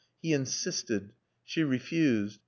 He insisted. She refused.